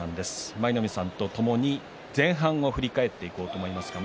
舞の海さんとともに前半を振り返っていこうと思います。